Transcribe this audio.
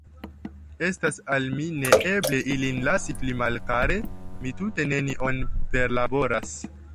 Estas al mi neeble ilin lasi pli malkare; mi tute nenion perlaboras.